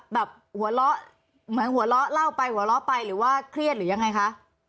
แบบหัวเราะเหมือนหัวเราะเล่าไปหัวเราะไปหรือว่าเครียดหรือยังไงคะ